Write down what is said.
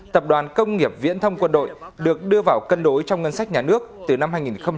tập đoàn công nghiệp viễn thông quân đội được đưa vào cân đối trong ngân sách nhà nước từ năm hai nghìn một mươi